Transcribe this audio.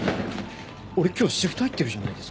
俺今日シフト入ってるじゃないですか。